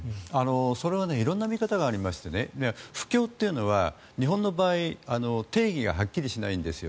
それは色んな見方がありまして不況というのは日本の場合定義がはっきりしないんですよ。